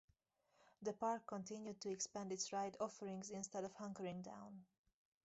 The park continued to expand its ride offerings instead of hunkering down.